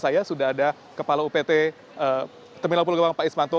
saya sudah ada kepala upt terminal pulau gebang pak ismanto